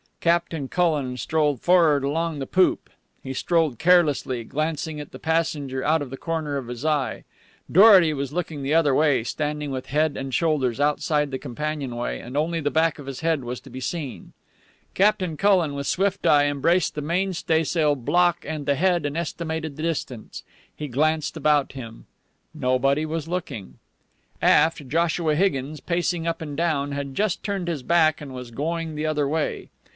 Captain Cullen strolled for'ard along the poop. He strolled carelessly, glancing at the passenger out of the corner of his eye. Dorety was looking the other way, standing with head and shoulders outside the companionway, and only the back of his head was to be seen. Captain Cullen, with swift eye, embraced the mainstaysail block and the head and estimated the distance. He glanced about him. Nobody was looking. Aft, Joshua Higgins, pacing up and down, had just turned his back and was going the other way.